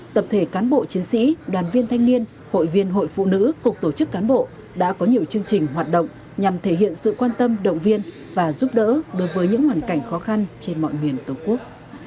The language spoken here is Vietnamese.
tập thể cán bộ chiến sĩ đoàn viên thanh niên hội viên hội phụ nữ cục tổ chức cán bộ đã có nhiều chương trình hoạt động nhằm thể hiện sự quan tâm động viên và giúp đỡ đối với những hoàn cảnh khó khăn trên mọi miền tổ quốc